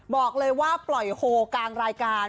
บอกเลยว่าปล่อยโฮกลางรายการ